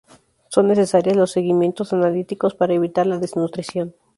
Son necesarios los seguimientos analíticos para evitar la desnutrición.